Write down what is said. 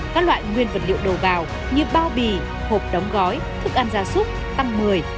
các loại nguyên vật liệu đồ vào như bao bì hộp đóng gói thức ăn gia súc tăng một mươi hai mươi